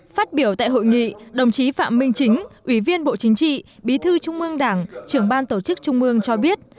phát biểu tại hội nghị đồng chí phạm minh chính ủy viên bộ chính trị bí thư trung ương đảng trưởng ban tổ chức trung mương cho biết